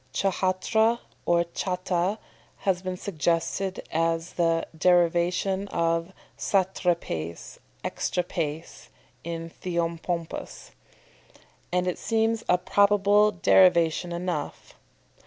Ch'hatra or cháta has been suggested as the derivation of satrapaes (exatrapaes in Theopompus), and it seems a probable derivation enough.